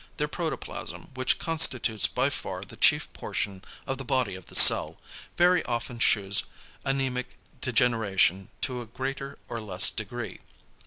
Their protoplasm, which constitutes by far the chief portion of the body of the cell, very often shews anæmic degeneration to a greater or less degree.